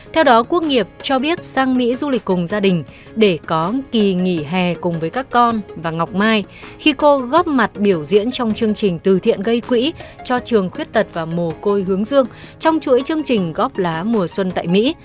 theo đó quốc nghiệp cho biết sang mỹ du lịch cùng gia đình để có kỳ nghỉ hè cùng với các con và ngọc mai khi cô góp mặt biểu diễn trong chương trình từ thiện gây quỹ cho trường khuyết tật và mồ côi hướng dương trong chuỗi chương trình góp lá mùa xuân tại mỹ